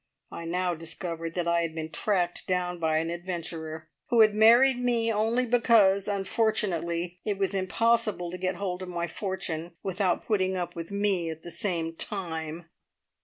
I now discovered that I had been tracked down by an adventurer, who had married me only because, unfortunately, it was impossible to get hold of my fortune without putting up with me at the same time."